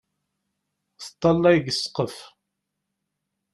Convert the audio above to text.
Teṭṭalay deg ssqef.